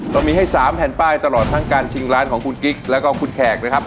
ก็มีให้๓แผ่นป้ายตลอดทั้งการชิงร้านของคุณกิ๊กแล้วก็คุณแขกนะครับ